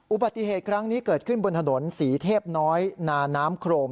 อุบัติเหตุครั้งนี้เกิดขึ้นบนถนนศรีเทพน้อยนาน้ำโครม